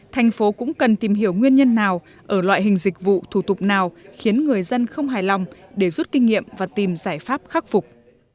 thành phố cũng cần tìm hiểu nguyên nhân nào ở loại hình dịch vụ thủ tục nào khiến người dân không hài lòng để rút kinh nghiệm và tìm giải pháp khắc phục